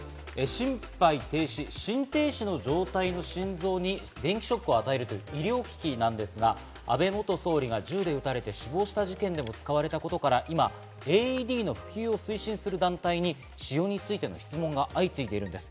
心肺停止、心停止の状態の心臓に電気ショックを与えるという医療機器なんですが、安倍元総理が銃で撃たれて死亡した事件でも使われたことから今、ＡＥＤの普及を推進する団体に使用についての質問が相次いでいるんです。